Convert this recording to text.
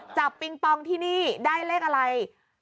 ปิงปองที่นี่ได้เลขอะไร